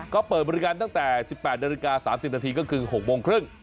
ก็เปิดบริการตั้งแต่๑๘นาฬิกา๓๐นาทีก็คือ๖โมงครึ่ง